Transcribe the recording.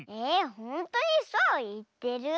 ほんとにそういってる？